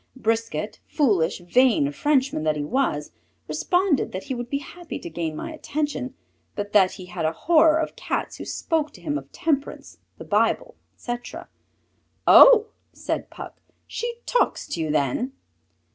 Brisquet, foolish, vain Frenchman that he was, responded that he would be happy to gain my attention, but that he had a horror of Cats who spoke to him of temperance, the Bible, etc. "Oh!" said Puck, "she talks to you then?"